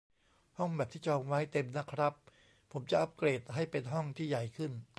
ห้องแบบที่จองไว้เต็มนะครับ ผมจะอัปเกรดให้เป็นห้องที่ใหญ่ขึ้น